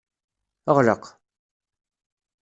Ɣleq!